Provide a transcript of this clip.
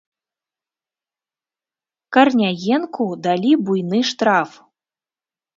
Карняенку далі буйны штраф.